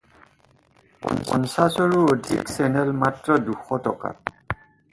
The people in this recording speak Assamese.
পাঁচশৰো অধিক চেনেল মাত্ৰ দুশ টকাত।